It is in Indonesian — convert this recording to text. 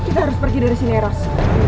kita harus pergi dari sini ya ros